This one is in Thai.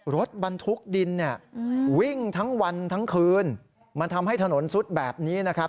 รถบรรทุกดินเนี่ยวิ่งทั้งวันทั้งคืนมันทำให้ถนนซุดแบบนี้นะครับ